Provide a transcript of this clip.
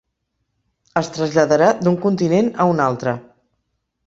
Es traslladarà d'un continent a un altre.